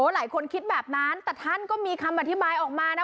หลายคนคิดแบบนั้นแต่ท่านก็มีคำอธิบายออกมานะ